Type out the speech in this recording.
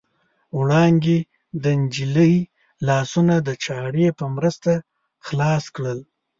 وړانګې د نجلۍ لاسونه د چاړې په مرسته خلاص کړل.